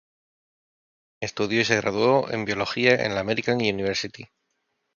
Estudió y se graduó en Biología por la American University.